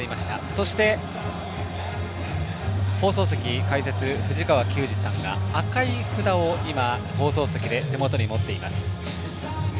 そして、放送席解説、藤川球児さんが赤い札を今、放送席で手元に持っています。